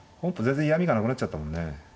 全然嫌みがなくなっちゃったもんね。